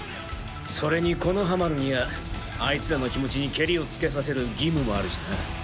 それに木ノ葉丸にはあいつらの気持ちにケリをつけさせる義務もあるしな。